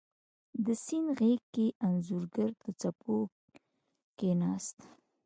د سیند غیږ کې انځورګر د څپو کښېناست